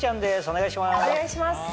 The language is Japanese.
お願いします。